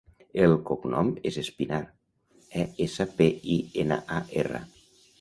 El cognom és Espinar: e, essa, pe, i, ena, a, erra.